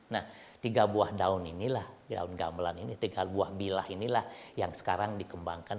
nah tiga buah daun ini lah daun gamelan ini tiga buah bilah ini lah yang sekarang dikembangkan